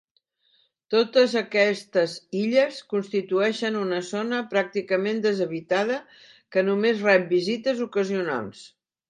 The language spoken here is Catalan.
Totes aquestes illes constitueixen una zona pràcticament deshabitada que només rep visites ocasionals.